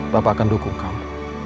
papa akan dukung kamu